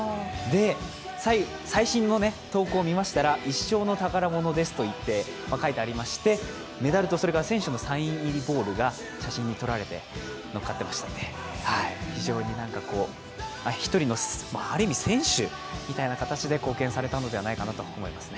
最新の投稿を見ましたら、一生の宝物ですと書いてありまして、メダルとそれから選手のサインボールが写真に撮られて非常に１人のある意味、選手みたいな形で貢献されたのではないかと思います。